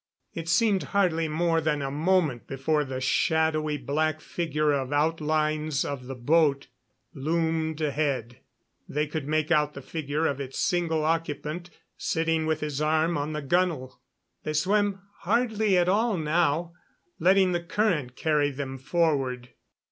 It seemed hardly more than a moment before the shadowy black figure of outlines of the boat loomed ahead. They could make out the figure of its single occupant, sitting with his arm on the gunwale. They swam hardly at all now, letting the current carry them forward.